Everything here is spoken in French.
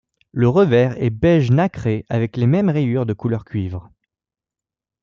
Le revers est beige nacré avec les mêmes rayures de couleur cuivre.